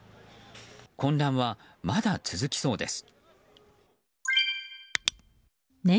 混乱はまだ続きそうです。